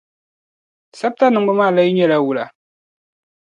Sabta niŋbu maa lee nyɛ la wula?